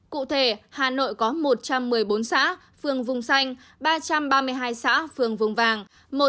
cụ thể hà nội có một trăm một mươi bốn xã phường vùng xanh ba trăm ba mươi hai xã phường vùng vàng